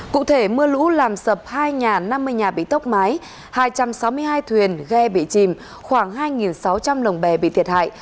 cụ thể mưa lũ làm sập hai nhà năm mươi nhà bị tốc mái hai trăm sáu mươi hai thuyền ghe bị chìm khoảng hai sáu trăm linh lồng bè bị thiệt hại